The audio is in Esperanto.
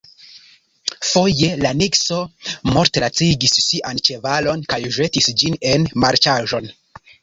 Foje la nikso mortlacigis sian ĉevalon kaj ĵetis ĝin en marĉaĵon.